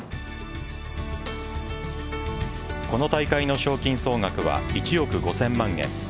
この大会の賞金総額は１億５０００万円。